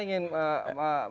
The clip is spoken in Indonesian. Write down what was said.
itu yang terjadi